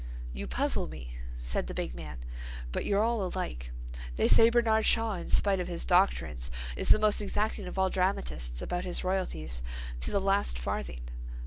"You puzzle me," said the big man, "but you're all alike. They say Bernard Shaw, in spite of his doctrines, is the most exacting of all dramatists about his royalties. To the last farthing."